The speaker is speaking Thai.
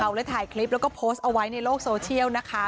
เลยถ่ายคลิปแล้วก็โพสต์เอาไว้ในโลกโซเชียลนะคะ